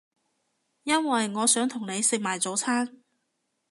因為我想同你食埋早餐